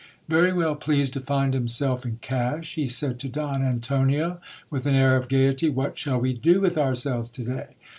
Very well pleased to find himself in cash, he said to Don 'Antonio, with an air of gaiety :' What shall we do with ourselves to day?